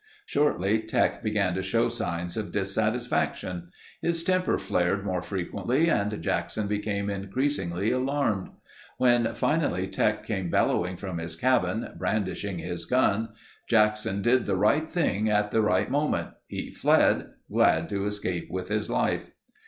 Shortly Teck began to show signs of dissatisfaction. His temper flared more frequently and Jackson became increasingly alarmed. When finally Teck came bellowing from his cabin, brandishing his gun, Jackson did the right thing at the right moment. He fled, glad to escape with his life.